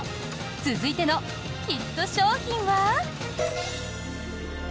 続いてのヒット商品は。